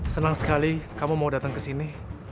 senang sekali kamu mau datang kesini